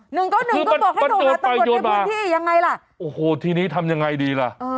หนึ่งเก้าหนึ่งก็บอกให้โทรหาตำรวจในพื้นที่ยังไงล่ะโอ้โหทีนี้ทำยังไงดีล่ะเออ